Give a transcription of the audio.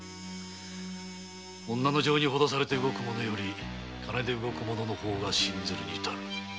女の情にほだされて動く者より金で動く者の方が信ずるに足る。